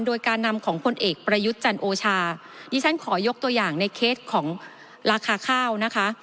โดยการนำของพลเอกประยุทธ์จันโอชาดิฉันขอยกตัวอย่างในเคสของราคาข้าวนะคะ